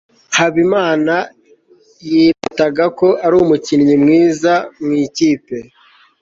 habimana yirataga ko ari umukinnyi mwiza mu ikipe